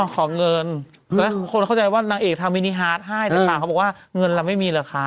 ขอเงินแล้วคนเข้าใจว่านางเอกทำมินิฮาร์ดให้ต่างเขาบอกว่าเงินเราไม่มีเหรอคะ